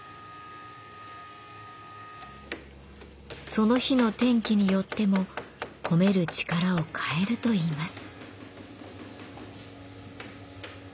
その日の天気によっても込める力を変えるといいます。